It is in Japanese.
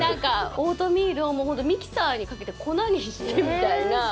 オートミールをミキサーにかけて粉にしてみたいな。